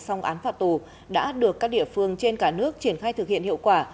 xong án phạt tù đã được các địa phương trên cả nước triển khai thực hiện hiệu quả